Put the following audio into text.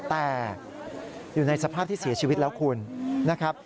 แต่อยู่ในสภาพที่เสียชีวิตแล้วคุณนะครับ